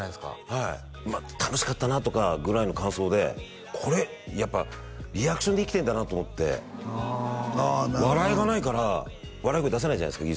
はいまあ「楽しかったな」とかぐらいの感想でこれやっぱリアクションで生きてんだなと思ってあなるほどな笑いがないから笑い声出せないじゃないですか